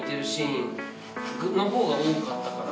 のほうが多かったから。